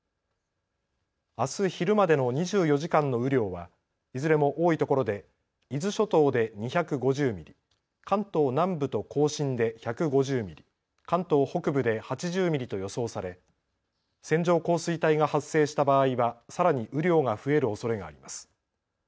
あす昼までの２４時間の雨量はいずれも多いところで伊豆諸島で２５０ミリ、関東南部と甲信で１５０ミリ、関東北部で８０ミリと予想され線状降水帯が発生した場合はさらに雨量が増えるおそれがあります。